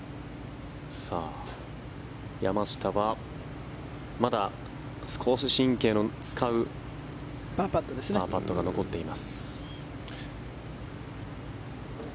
山下はまだ少し神経の使うパーパットが残っています。